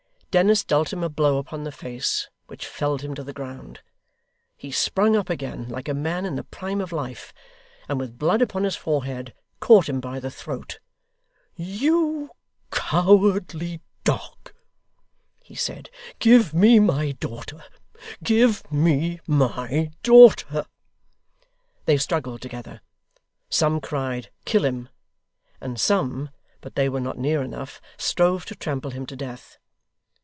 Dennis dealt him a blow upon the face which felled him to the ground. He sprung up again like a man in the prime of life, and with blood upon his forehead, caught him by the throat. 'You cowardly dog!' he said: 'Give me my daughter. Give me my daughter.' They struggled together. Some cried 'Kill him,' and some (but they were not near enough) strove to trample him to death.